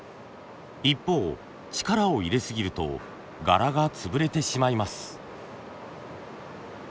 一方力を入れすぎると柄が潰れてしまいます。